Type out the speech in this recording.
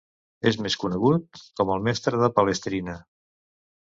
És més conegut com el mestre de Palestrina.